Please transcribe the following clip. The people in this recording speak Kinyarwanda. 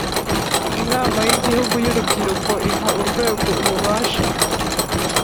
Inama y’Igihugu y’Urubyiruko iha urwego ububasha